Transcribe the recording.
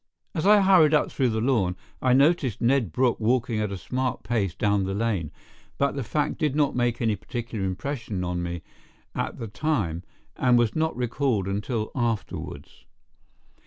As I hurried up through the lawn, I noticed Ned Brooke walking at a smart pace down the lane, but the fact did not make any particular impression on me at the time, and was not recalled until afterwards.